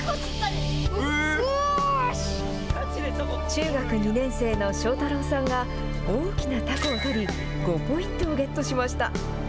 中学２年生の彰太郎さんが大きなたこを取り５ポイントゲットしました。